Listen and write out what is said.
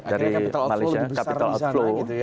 akhirnya capital outflow lebih besar di sana gitu ya